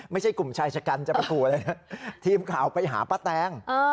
ไม่ใช่กลุ่มชายชะกันจะไปขู่อะไรนะทีมข่าวไปหาป้าแตง